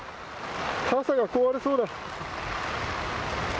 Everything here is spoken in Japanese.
傘が壊れそうだ。